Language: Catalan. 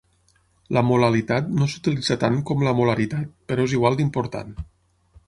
La molalitat no s'utilitza tant com la molaritat, però és igual d'important.